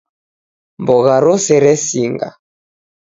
Mbogha rose resinga